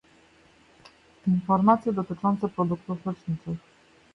Informacje dotyczące produktów leczniczych